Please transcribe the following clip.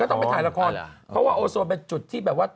ต้องไปถ่ายละครเพราะว่าโอโซนเป็นจุดที่แบบว่า